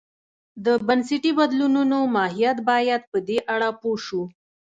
د بنسټي بدلونو ماهیت باید په دې اړه پوه شو.